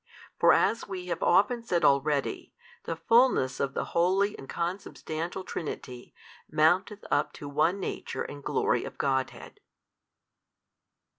For as we have often said already, the Fullness of the Holy and Consubstantial Trinity mounteth up to One Nature and glory of Godhead.